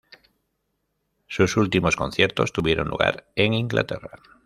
Sus últimos conciertos tuvieron lugar en Inglaterra.